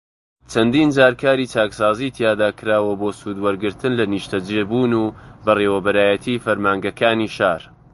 چەندین جار کاری چاکسازیی تیادا کراوە بۆ سوودوەرگرتن لە نیشتەجێبوون و بەڕێوبەرایەتیی فەرمانگەکانی شار